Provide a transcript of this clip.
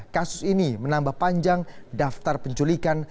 kasus ini menambah panjang daftar penculikan